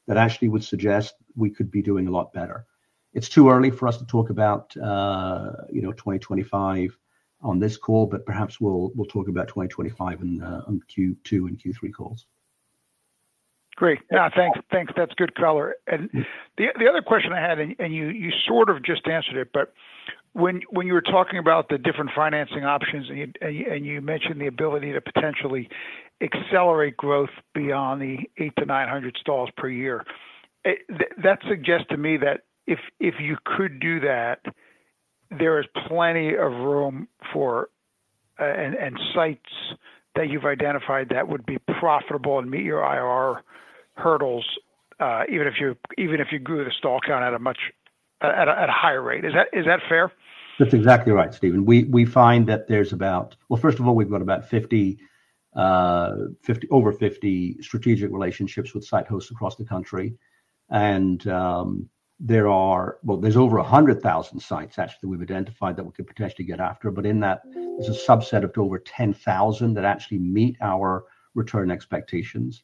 Speaker 2: actually would suggest we could be doing a lot better. It's too early for us to talk about, you know, 2025 on this call, but perhaps we'll talk about 2025 on Q2 and Q3 calls.
Speaker 7: Great. Now, thanks. Thanks, that's good color. And the other question I had, and you sort of just answered it, but when you were talking about the different financing options, and you mentioned the ability to potentially accelerate growth beyond the 800 to 900 stalls per year. It that suggests to me that if you could do that, there is plenty of room for, and sites that you've identified that would be profitable and meet your IRR hurdles, even if you grew the stall count at a much higher rate. Is that fair?
Speaker 2: That's exactly right, Stephen. We find that there's about. Well, first of all, we've got about 50, over 50 strategic relationships with site hosts across the country. And, there are, well, there's over 100,000 sites actually, that we've identified that we could potentially get after. But in that, there's a subset of over 10,000 that actually meet our return expectations.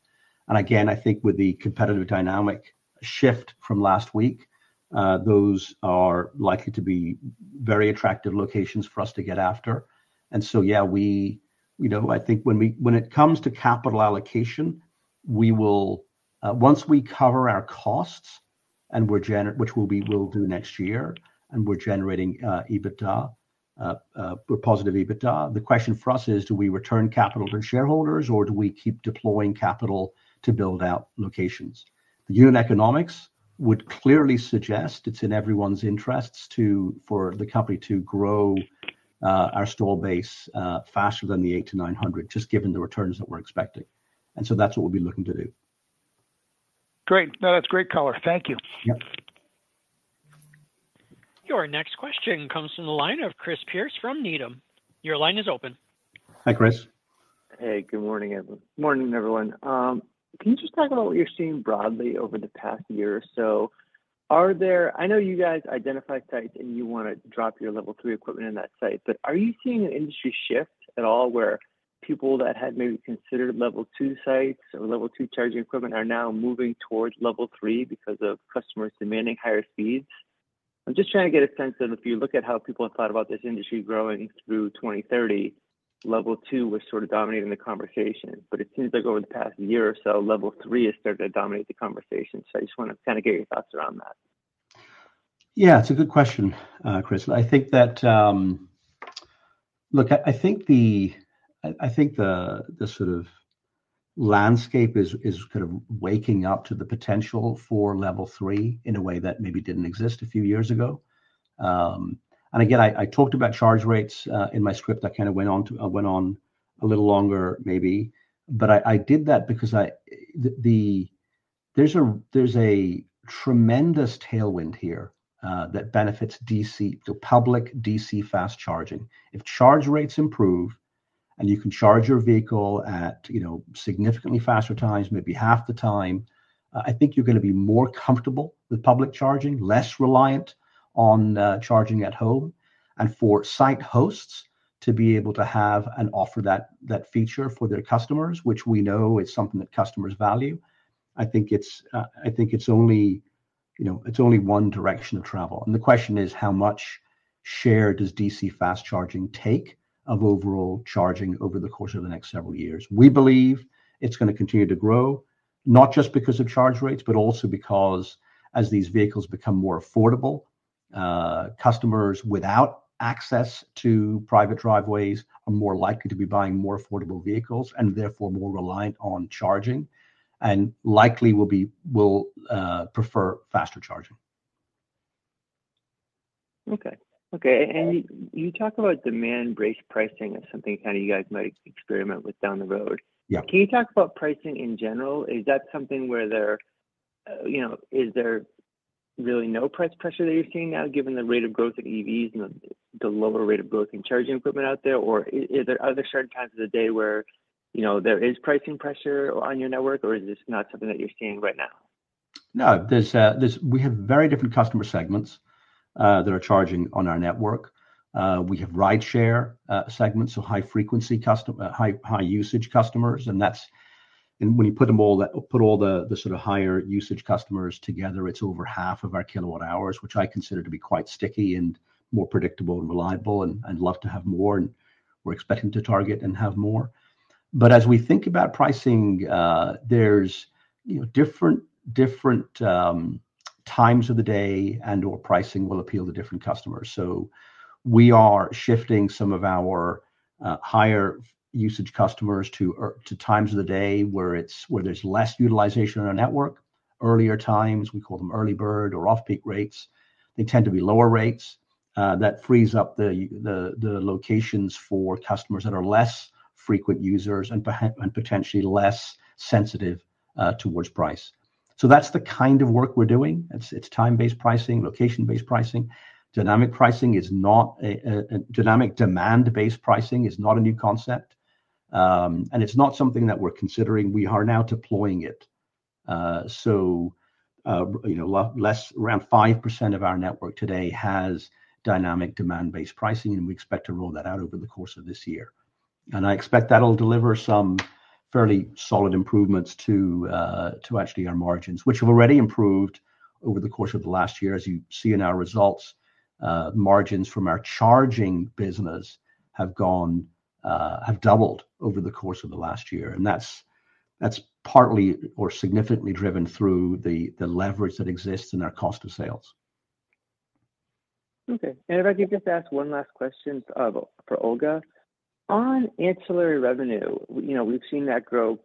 Speaker 2: And again, I think with the competitive dynamic shift from last week, those are likely to be very attractive locations for us to get after. And so, yeah, we, you know, I think when it comes to capital allocation, we will, once we cover our costs, and we're gener which we will do next year, and we're generating, EBITDA, positive EBITDA, the question for us is: Do we return capital to shareholders, or do we keep deploying capital to build out locations? The unit economics would clearly suggest it's in everyone's interests to, for the company to grow, our store base, faster than the 800 900, just given the returns that we're expecting. And so that's what we'll be looking to do.
Speaker 7: Great. No, that's great color. Thank you.
Speaker 2: Yep.
Speaker 4: Your next question comes from the line of Chris Pierce from Needham. Your line is open.
Speaker 2: Hi, Chris.
Speaker 8: Hey, good morning, everyone. Morning, everyone. Can you just talk about what you're seeing broadly over the past year or so? Are there? I know you guys identify sites, and you wanna drop your Level 3 equipment in that site, but are you seeing an industry shift at all, where people that had maybe considered Level 2 sites or Level 2 charging equipment are now moving towards Level 3 because of customers demanding higher speeds? I'm just trying to get a sense of if you look at how people have thought about this industry growing through 2030, Level two was sort of dominating the conversation. But it seems like over the past year or so, Level 3 has started to dominate the conversation. So I just wanna kinda get your thoughts around that.
Speaker 2: Yeah, it's a good question, Chris. I think that, Look, I think the sort of landscape is kind of waking up to the potential for Level 3 in a way that maybe didn't exist a few years ago. And again, I talked about charge rates in my script. I kinda went on to, I went on a little longer, maybe, but I did that because there's a tremendous tailwind here that benefits DC, the public DC fast charging. If charge rates improve, and you can charge your vehicle at, you know, significantly faster times, maybe half the time, I think you're gonna be more comfortable with public charging, less reliant on charging at home. For site hosts to be able to have and offer that, that feature for their customers, which we know is something that customers value, I think it's, I think it's only, you know, it's only one direction of travel. And the question is: How much share does DC fast charging take of overall charging over the course of the next several years? We believe it's gonna continue to grow, not just because of charge rates, but also because as these vehicles become more affordable, customers without access to private driveways are more likely to be buying more affordable vehicles, and therefore more reliant on charging, and likely will be, will prefer faster charging.
Speaker 8: Okay. Okay, and you talk about demand-based pricing as something kinda you guys might experiment with down the road.
Speaker 2: Yeah.
Speaker 8: Can you talk about pricing in general? Is that something where there, you know, is there really no price pressure that you're seeing now, given the rate of growth of EVs and the lower rate of growth in charging equipment out there? Or is there other certain times of the day where, you know, there is pricing pressure on your network, or is this not something that you're seeing right now?
Speaker 2: No, there's, we have very different customer segments that are charging on our network. We have rideshare segments, so high-frequency customers. High-usage customers, and that's, and when you put them all the, put all the, the sort of higher usage customers together, it's over half of our kilowatt hours, which I consider to be quite sticky and more predictable and reliable, and I'd love to have more, and we're expecting to target and have more. But as we think about pricing, there's, you know, different times of the day and/or pricing will appeal to different customers. So we are shifting some of our higher usage customers to times of the day where it's, where there's less utilization on our network. Earlier times, we call them early bird or off-peak rates. They tend to be lower rates that frees up the locations for customers that are less frequent users and potentially less sensitive towards price. So that's the kind of work we're doing. It's time-based pricing, location-based pricing. Dynamic demand-based pricing is not a new concept, and it's not something that we're considering. We are now deploying it. So you know, less, around 5% of our network today has dynamic demand-based pricing, and we expect to roll that out over the course of this year. And I expect that'll deliver some fairly solid improvements to actually our margins, which have already improved over the course of the last year. As you see in our results, margins from our charging business have gone, have doubled over the course of the last year, and that's partly or significantly driven through the leverage that exists in our cost of sales.
Speaker 8: Okay. And if I could just ask one last question for Olga. On ancillary revenue, you know, we've seen that grow,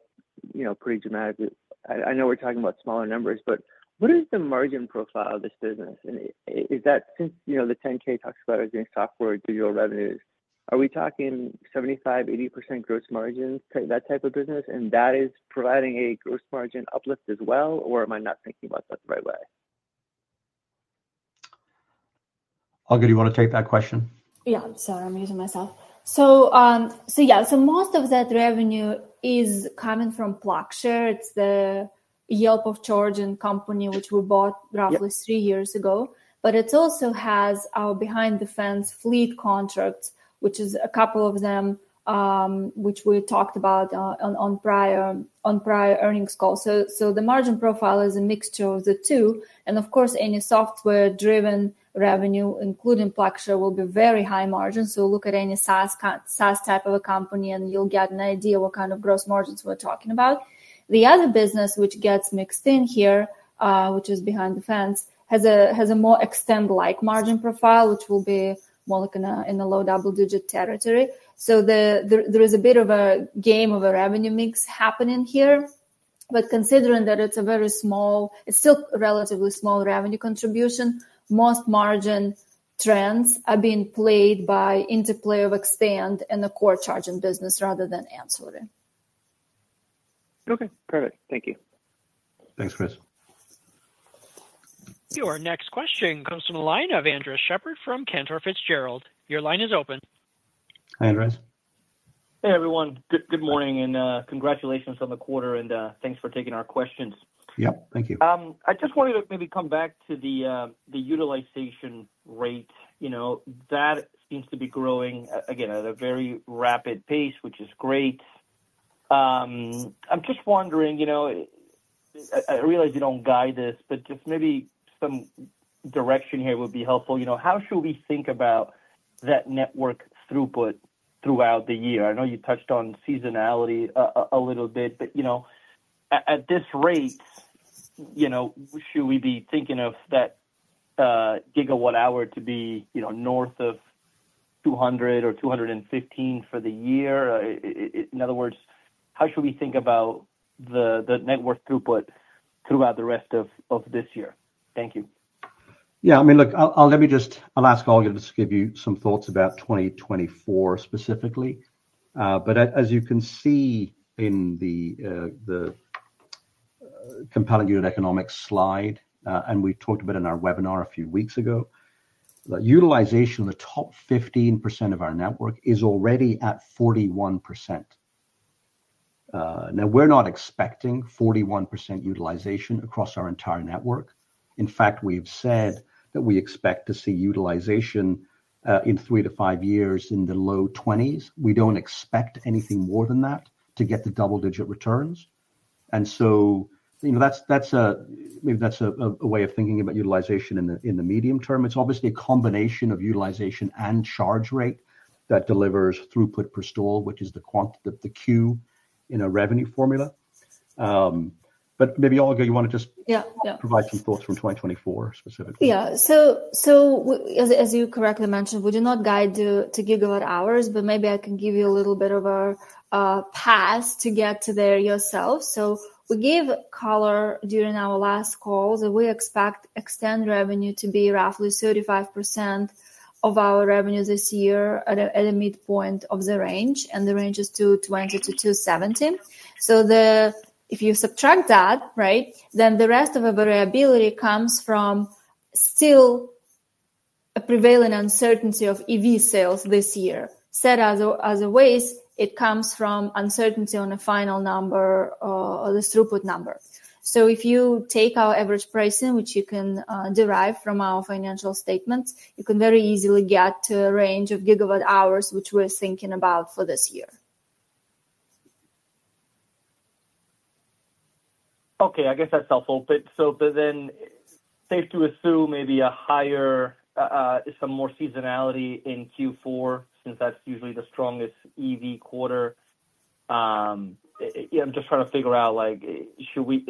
Speaker 8: you know, pretty dramatically. I know we're talking about smaller numbers, but what is the margin profile of this business? And is that since, you know, the 10-K talks about it being software digital revenues, are we talking 75% to 80% gross margins, that type of business, and that is providing a gross margin uplift as well, or am I not thinking about that the right way?
Speaker 2: Olga, do you wanna take that question?
Speaker 3: Yeah. Sorry, I'm muting myself. So, so yeah. So most of that revenue is coming from PlugShare. It's the Yelp of charging company, which we bought-
Speaker 2: Yeah
Speaker 3: roughly three years ago. But it also has our behind the fence fleet contracts, which is a couple of them, which we talked about on prior earnings calls. So the margin profile is a mixture of the two, and of course, any software-driven revenue, including PlugShare, will be very high margin. So look at any SaaS type of a company, and you'll get an idea what kind of gross margins we're talking about. The other business, which gets mixed in here, which is behind the fence, has a more eXtend-like margin profile, which will be more like in a low double-digit territory. So there is a bit of a game of a revenue mix happening here, but considering that it's a very small... It's still relatively small revenue contribution, most margin trends are being played by interplay of eXtend and the core charging business rather than ancillary.
Speaker 8: Okay, perfect. Thank you.
Speaker 2: Thanks, Chris.
Speaker 4: Your next question comes from the line of Andres Sheppard from Cantor Fitzgerald. Your line is open.
Speaker 2: Hi, Andres.
Speaker 9: Hey, everyone. Good morning, and congratulations on the quarter, and thanks for taking our questions.
Speaker 2: Yeah, thank you.
Speaker 9: I just wanted to maybe come back to the utilization rate, you know. That seems to be growing, again, at a very rapid pace, which is great. I'm just wondering, you know, I realize you don't guide this, but just maybe some direction here would be helpful. You know, how should we think about that network throughput throughout the year? I know you touched on seasonality a little bit, but, you know, at this rate, you know, should we be thinking of that gigawatt hour to be, you know, north of 200 or 215 for the year? In other words, how should we think about the network throughput throughout the rest of this year? Thank you.
Speaker 2: Yeah, I mean, look, I'll ask Olga to just give you some thoughts about 2024 specifically. But as you can see in the compelling unit economics slide, and we talked about it in our webinar a few weeks ago, the utilization in the top 15% of our network is already at 41%. Now, we're not expecting 41% utilization across our entire network. In fact, we've said that we expect to see utilization in 3 to 5 years in the low 20s. We don't expect anything more than that to get the double-digit returns. And so, you know, that's maybe a way of thinking about utilization in the medium term. It's obviously a combination of utilization and charge rate that delivers throughput per stall, which is the quant... the Q in our revenue formula. But maybe, Olga, you wanna just-
Speaker 3: Yeah, yeah.
Speaker 2: - provide some thoughts from 2024, specifically.
Speaker 3: Yeah. So, as you correctly mentioned, we do not guide to gigawatt hours, but maybe I can give you a little bit of a path to get to there yourself. So we gave color during our last call, that we expect eXtend revenue to be roughly 35% of our revenue this year at a midpoint of the range, and the range is $220 to 270. So the, If you subtract that, right, then the rest of the variability comes from still a prevailing uncertainty of EV sales this year. Said other ways, it comes from uncertainty on a final number, or the throughput number. So if you take our average pricing, which you can derive from our financial statements, you can very easily get to a range of gigawatt hours, which we're thinking about for this year.
Speaker 9: Okay, I guess that's helpful. But then safe to assume maybe a higher, some more seasonality in Q4, since that's usually the strongest EV quarter? Yeah, I'm just trying to figure out, like, should we,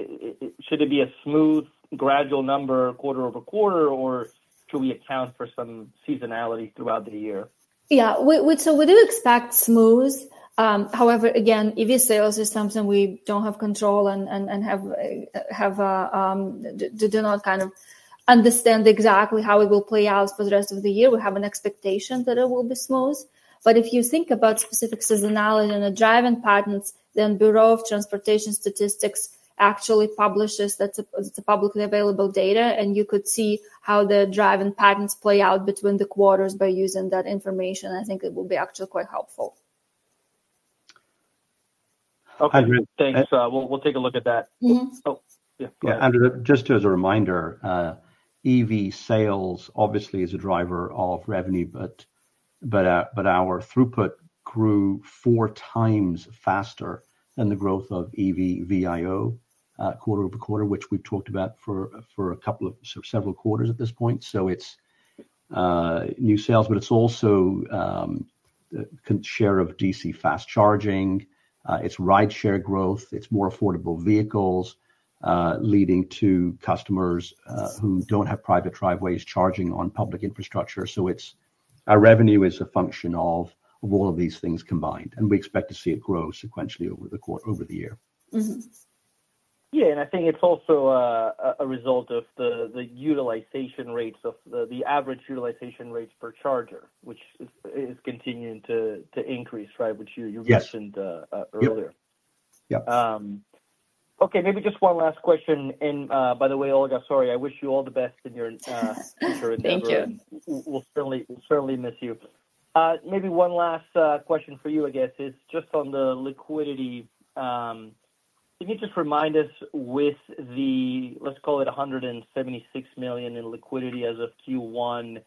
Speaker 9: should it be a smooth, gradual number quarter over quarter, or should we account for some seasonality throughout the year?
Speaker 3: Yeah, so we do expect smooth. However, again, EV sales is something we don't have control and do not kind of understand exactly how it will play out for the rest of the year. We have an expectation that it will be smooth. But if you think about specific seasonality and the driving patterns, then Bureau of Transportation Statistics actually publishes that, it's a publicly available data, and you could see how the driving patterns play out between the quarters by using that information. I think it will be actually quite helpful.
Speaker 9: Okay, thanks. We'll, we'll take a look at that.
Speaker 3: Mm-hmm.
Speaker 9: Oh, yeah, go ahead.
Speaker 2: And just as a reminder, EV sales obviously is a driver of revenue, but our throughput grew four times faster than the growth of EV VIO, quarter-over-quarter, which we've talked about for a couple of several quarters at this point. So it's new sales, but it's also share of DC fast charging, it's rideshare growth, it's more affordable vehicles leading to customers who don't have private driveways charging on public infrastructure. So it's our revenue is a function of all of these things combined, and we expect to see it grow sequentially over the year.
Speaker 3: Mm-hmm.
Speaker 9: Yeah, and I think it's also a result of the average utilization rates per charger, which is continuing to increase, right? Which you
Speaker 2: Yes.
Speaker 9: you mentioned, earlier.
Speaker 2: Yeah.
Speaker 9: Okay, maybe just one last question. And, by the way, Olga, sorry, I wish you all the best in your future endeavor.
Speaker 3: Thank you.
Speaker 9: We'll certainly, certainly miss you. Maybe one last question for you, I guess, is just on the liquidity. Can you just remind us with the, let's call it $176 million in liquidity as of Q1,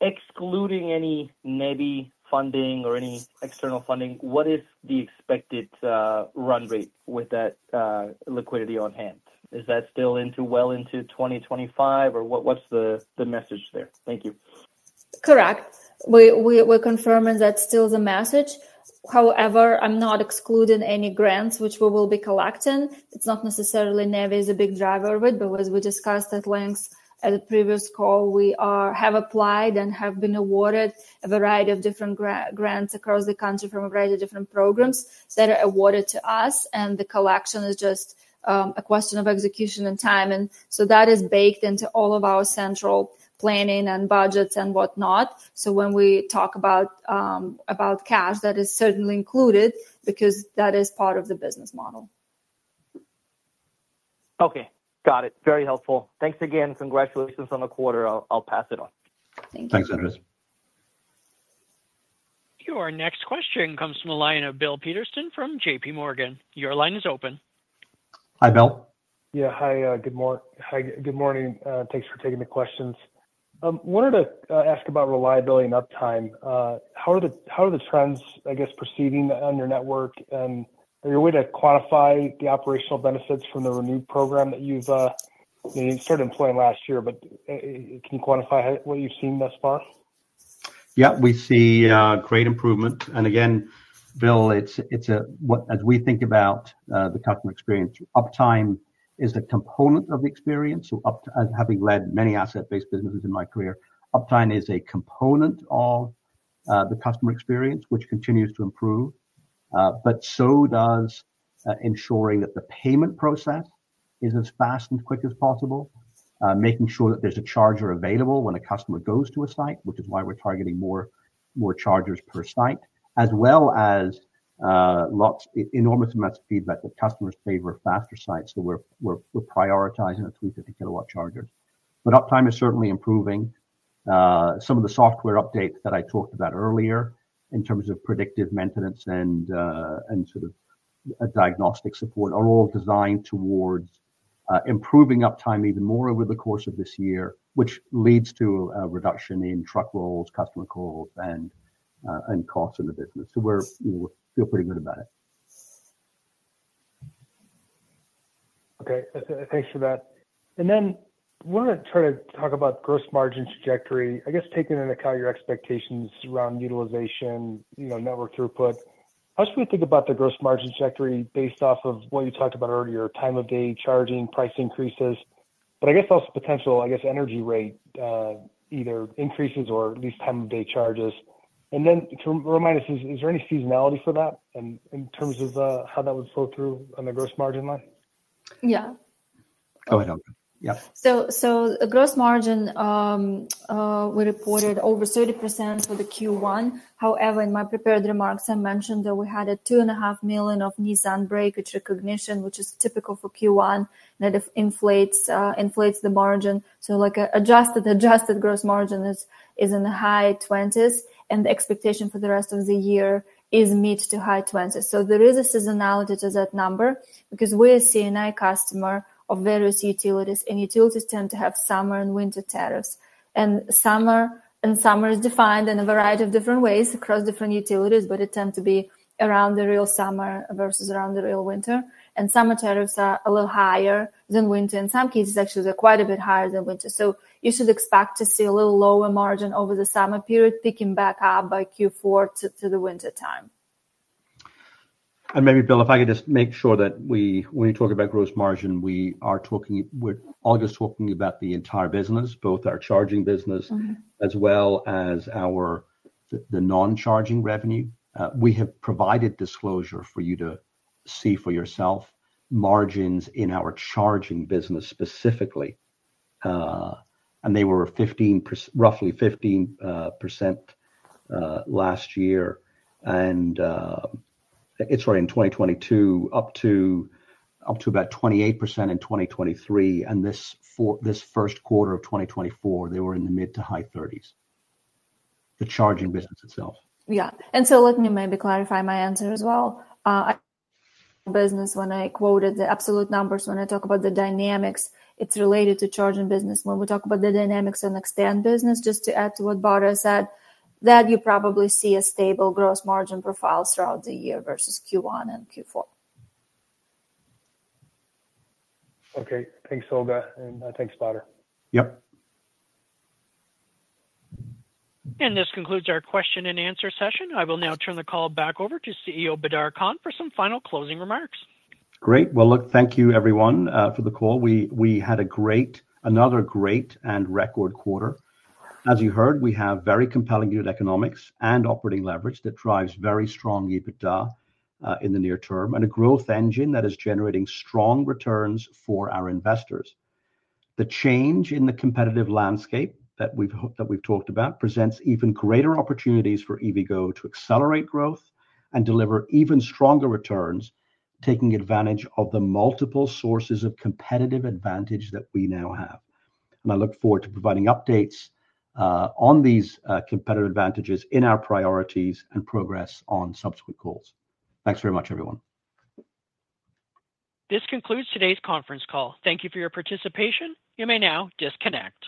Speaker 9: excluding any maybe funding or any external funding, what is the expected run rate with that liquidity on hand? Is that still into, well into 2025, or what, what's the message there? Thank you.
Speaker 3: Correct. We're confirming that's still the message. However, I'm not excluding any grants which we will be collecting. It's not necessarily NEVI is a big driver of it, but as we discussed at length at a previous call, we have applied and have been awarded a variety of different grants across the country from a variety of different programs that are awarded to us, and the collection is just a question of execution and timing. So that is baked into all of our central planning and budgets and whatnot. So when we talk about cash, that is certainly included because that is part of the business model.
Speaker 9: Okay, got it. Very helpful. Thanks again. Congratulations on the quarter. I'll, I'll pass it on.
Speaker 3: Thank you.
Speaker 2: Thanks, Andres.
Speaker 4: Your next question comes from the line of Bill Peterson from JPMorgan. Your line is open.
Speaker 2: Hi, Bill.
Speaker 10: Yeah. Hi, good morning. Thanks for taking the questions. Wanted to ask about reliability and uptime. How are the trends, I guess, proceeding on your network? And are you able to quantify the operational benefits from the renewed program that you've started employing last year, but can you quantify what you've seen thus far?
Speaker 2: Yeah, we see great improvement. And again, Bill, it's as we think about the customer experience, uptime is a component of the experience. So as having led many asset-based businesses in my career, uptime is a component of the customer experience, which continues to improve, but so does ensuring that the payment process is as fast and quick as possible, making sure that there's a charger available when a customer goes to a site, which is why we're targeting more chargers per site, as well as enormous amounts of feedback that customers favor faster sites, so we're prioritizing a 350-kilowatt charger. But uptime is certainly improving. Some of the software updates that I talked about earlier in terms of predictive maintenance and sort of diagnostic support are all designed towards improving uptime even more over the course of this year, which leads to a reduction in truck rolls, customer calls, and costs in the business. So we feel pretty good about it.
Speaker 10: Okay, thanks for that. Then I want to try to talk about gross margin trajectory. I guess, taking into account your expectations around utilization, you know, network throughput, how should we think about the gross margin trajectory based off of what you talked about earlier, time of day charging, price increases, but I guess also potential, I guess, energy rate, either increases or at least time of day charges? And then to remind us, is there any seasonality for that in, in terms of, how that would flow through on the gross margin line?
Speaker 3: Yeah.
Speaker 2: Go ahead, Olga. Yeah.
Speaker 3: So the gross margin, we reported over 30% for the Q1. However, in my prepared remarks, I mentioned that we had a $2.5 million of Nissan breakage recognition, which is typical for Q1, that it inflates the margin. So like a adjusted gross margin is in the high 20s, and the expectation for the rest of the year is mid- to high 20s. So there is a seasonality to that number because we're a CNI customer of various utilities, and utilities tend to have summer and winter tariffs. And summer is defined in a variety of different ways across different utilities, but it tends to be around the real summer versus around the real winter. And summer tariffs are a little higher than winter. In some cases, actually, they're quite a bit higher than winter. So you should expect to see a little lower margin over the summer period, picking back up by Q4 to the wintertime.
Speaker 2: And maybe, Bill, if I could just make sure that we, when we talk about gross margin, we are talking, we're all just talking about the entire business, both our charging business, as well as our, the non-charging revenue. We have provided disclosure for you to see for yourself margins in our charging business specifically, and they were 15%, roughly 15%, last year. And, it's right in 2022, up to about 28% in 2023, and this Q1 of 2024, they were in the mid- to high 30s, the charging business itself.
Speaker 3: Yeah. And so let me maybe clarify my answer as well. Business, when I quoted the absolute numbers, when I talk about the dynamics, it's related to charging business. When we talk about the dynamics and eXtend business, just to add to what Badar said, that you probably see a stable gross margin profile throughout the year versus Q1 and Q4.
Speaker 10: Okay. Thanks, Olga, and thanks, Badar.
Speaker 2: Yep.
Speaker 4: This concludes our Q&A session. I will now turn the call back over to CEO Badar Khan, for some final closing remarks.
Speaker 2: Great! Well, look, thank you everyone for the call. We had a great, another great and record quarter. As you heard, we have very compelling unit economics and operating leverage that drives very strong EBITDA in the near term, and a growth engine that is generating strong returns for our investors. The change in the competitive landscape that we've talked about presents even greater opportunities for EVgo to accelerate growth and deliver even stronger returns, taking advantage of the multiple sources of competitive advantage that we now have. I look forward to providing updates on these competitive advantages in our priorities and progress on subsequent calls. Thanks very much, everyone.
Speaker 4: This concludes today's conference call. Thank you for your participation. You may now disconnect.